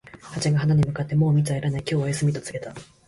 ハチが花に向かって、「もう蜜はいらない、今日はお休み」と告げた。